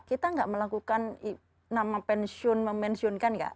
kita enggak melakukan nama pensiun memensiunkan enggak